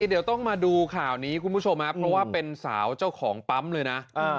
เดี๋ยวต้องมาดูข่าวนี้คุณผู้ชมครับเพราะว่าเป็นสาวเจ้าของปั๊มเลยนะ